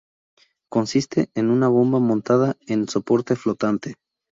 Consiste en una bomba montada en soporte flotante.